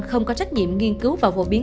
không có trách nhiệm nghiên cứu và phổ biến